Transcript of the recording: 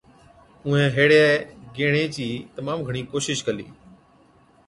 اُونهَين هيڙَي گيهڻي چِي تمام گھڻِي ڪوشش ڪلِي،